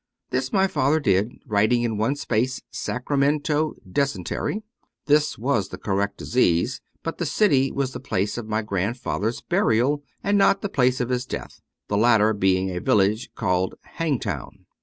This my father did, writing in one space " Sacramento dysentery." This was the correct disease, but the city was the place of my grandfather's burial, and not the place of his death, the latter being a village called " Hangtown."